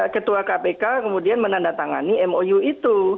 ketua kpk kemudian menandatangani mou itu